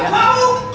ya udah mau